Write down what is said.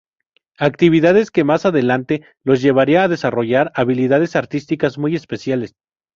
Actividades que más adelante lo llevarían a desarrollar habilidades artísticas muy especiales.